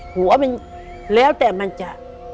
หัวมันแล้วแต่มันจะ